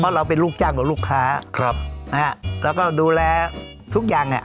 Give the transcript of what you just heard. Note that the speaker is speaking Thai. เพราะเราเป็นลูกจ้างกับลูกค้าครับนะฮะแล้วก็ดูแลทุกอย่างเนี่ย